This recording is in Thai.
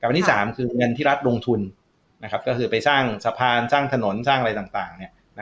วันที่๓คือเงินที่รัฐลงทุนก็คือไปสร้างสะพานสร้างถนนสร้างอะไรต่าง